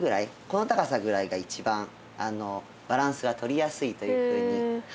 この高さぐらいが一番バランスがとりやすいというふうにいわれております。